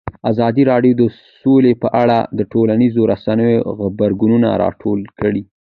ازادي راډیو د سوله په اړه د ټولنیزو رسنیو غبرګونونه راټول کړي.